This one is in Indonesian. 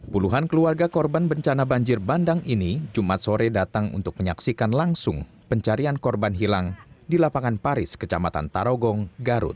puluhan keluarga korban bencana banjir bandang ini jumat sore datang untuk menyaksikan langsung pencarian korban hilang di lapangan paris kecamatan tarogong garut